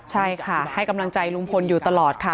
ใช่ค่ะให้กำลังใจลุงพลอยู่ตลอดค่ะ